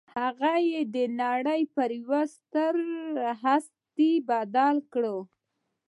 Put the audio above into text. هغه يې د نړۍ پر يوه ستره هستي بدل کړ.